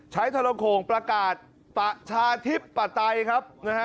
ทรโขงประกาศประชาธิปไตยครับนะฮะ